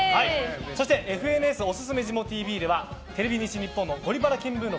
そしてＦＮＳおすすめジモＴＶではテレビ西日本の「ゴリパラ見聞録」。